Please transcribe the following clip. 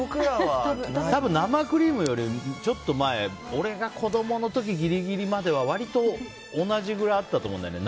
生クリームより、ちょっと前俺が子供の時ギリギリまでは割と、同じくらいあったと思うんだよね。